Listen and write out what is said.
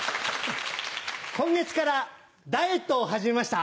今月からダイエットを始めました。